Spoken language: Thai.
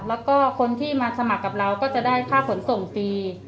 แล้วก็คนที่มาสมัครกับเราก็จะได้ค่าขนส่งฟรี